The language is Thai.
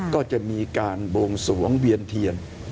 ก็จะมีการบวงสวงเวียนเทียน